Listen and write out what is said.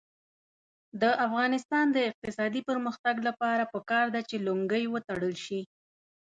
د افغانستان د اقتصادي پرمختګ لپاره پکار ده چې لونګۍ وتړل شي.